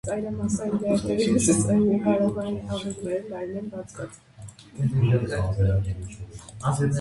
Կաստիլիայում այդպիսի քրիստոնյաներին անվանում էին «մորիսկներ», այսինքն՝ «փոքր մավրեր», «մավրիկներ»։